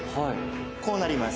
こうなります。